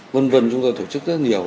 vân vân chúng tôi thổ chức rất nhiều